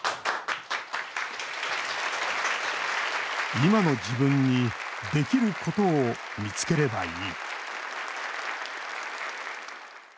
今の自分にできることを見つければいい